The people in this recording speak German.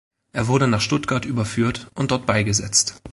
Er wurde nach Stuttgart überführt und dort beigesetzt.